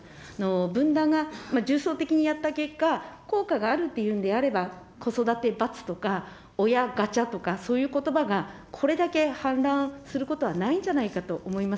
分断が重層的にやった結果、効果があるというんであれば、子育てばつとか親ガチャとか、そういうことばがこれだけ氾濫することはないんじゃないかと思います。